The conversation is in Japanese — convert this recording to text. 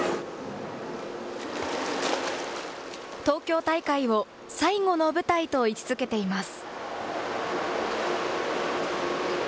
東京大会を最後の舞台と位置づけています。